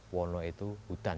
wono itu hutan